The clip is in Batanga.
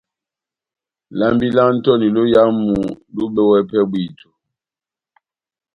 Lambi lá Antoni lóyamu lohibɛwɛ pɛhɛ bwíto.